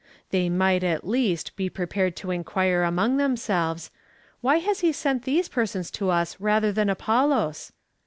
^ They might, at least, be prepared, to inquire among themseh^es :" Why has he sent these persons to us rather than Apollos?"